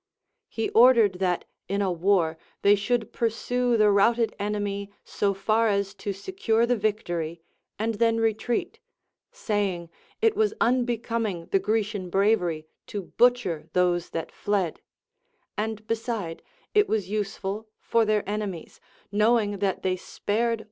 He ordered that in a war they should pursue the routed enemy so far as to secure the victory, and then retreat, saying, it was unbecoming the Grecian bravery to butcher those that fled ; and beside, it was useful, for their enemies, knowing that they spared LACONIC APOPHTHEGMS.